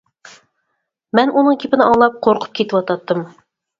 مەن ئۇنىڭ گېپىنى ئاڭلاپ قورقۇپ كېتىۋاتاتتىم.